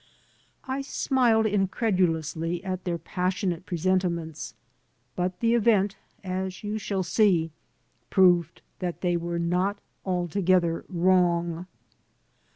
I smiled incredulously at their passionate presentiments; but the event, as you shall see, proved that they were not altogether wrong.